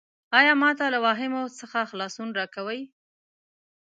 ایا ما ته له واهمو څخه خلاصون راکوې؟